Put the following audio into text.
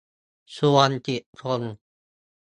ชวนสิบคน